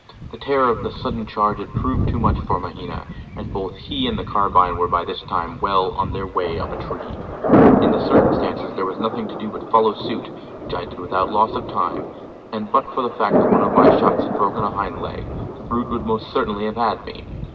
The terror of the sudden charge had proved too much for Mahina, and both he and the carbine were by this time well on their way up a tree. In the circumstances there was nothing to do but follow suit, which I did without loss of time: and but for the fact that one of my shots had broken a hind leg, the brute would most certainly have had me.